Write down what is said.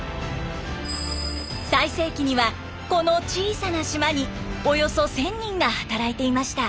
最盛期にはこの小さな島におよそ１，０００人が働いていました。